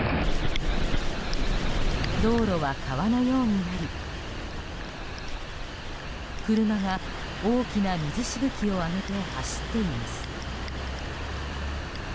道路は川のようになり車が大きな水しぶきを上げて走っています。